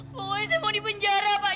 pokoknya saya mau dipenjara pak